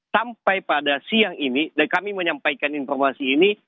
sampai pada siang ini dan kami menyampaikan informasi ini